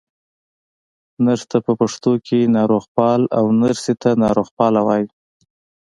نرس ته په پښتو کې ناروغپال، او نرسې ته ناروغپاله وايي.